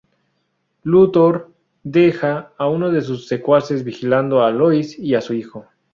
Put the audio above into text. Luthor deja a uno de sus secuaces vigilando a Lois y a su hijo.